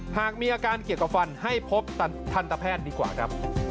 หากมีอาการเกี่ยวกับฟันให้พบทันตแพทย์ดีกว่าครับ